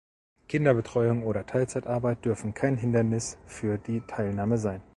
Kinderbetreuung oder Teilzeitarbeit dürfen kein Hindernis für die Teilnahme sein.